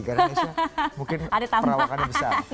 gara gara nesha mungkin perawakannya besar